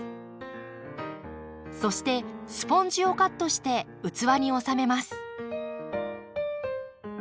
そしてスポンジをカットして器に収めます。